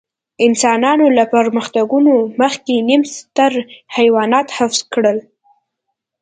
انسانانو له پرمختګونو مخکې نیم ستر حیوانات حذف کړل.